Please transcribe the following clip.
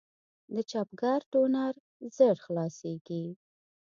د چاپګر ټونر ژر خلاصېږي.